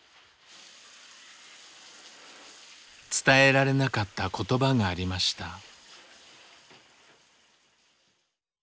伝えられなかった言葉がありました。